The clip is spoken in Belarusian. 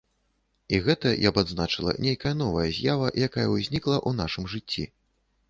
І гэта, я б адзначыла, нейкая новая з'ява, якая ўзнікла ў нашым жыцці.